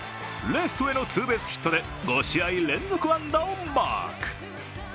レフトへのツーベースヒットで５試合連続安打をマーク。